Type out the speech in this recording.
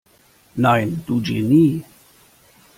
Nein, du Genie!